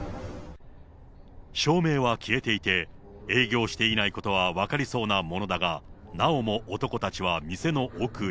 照明は消えていて、営業していないことは分かりそうなものだが、なおも男たちは店の奥へ。